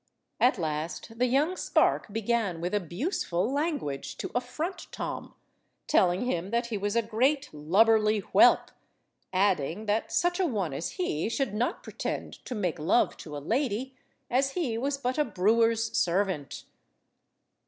At last the young spark began with abuseful language to affront Tom, telling him that he was a great lubberly whelp, adding that such a one as he should not pretend to make love to a lady, as he was but a brewer's servant.